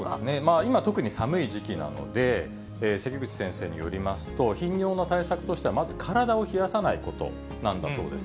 今、特に寒い時期なので、関口先生によりますと、頻尿の対策としては、まず体を冷やさないことなんだそうです。